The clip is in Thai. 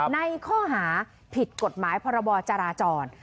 ในข้อหาผิดกฎหมายพรบจราจร